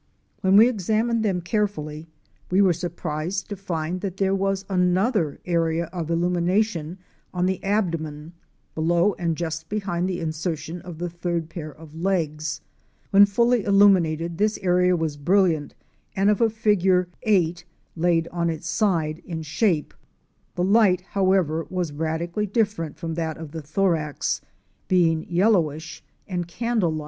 When we examined them carefully we were surprised to find that there was another area of illumination on the ab domen, below and just behind the insertion of the third pair of legs. When fully illuminated this area was brilliant and of a figure o shape. The light however was radically dif ferent from that of the thorax, being yellowish, and candle THE LAKE OF PITCH.